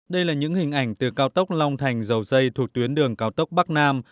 đây là những hình ảnh từ cao tốc long thành dầu dây thuộc tuyến đường cao tốc bắc nam